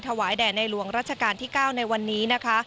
แด่ในหลวงรัชกาลที่๙ในวันนี้นะคะ